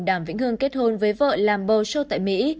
đàm vĩnh hương kết hôn với vợ làm bầu show tại mỹ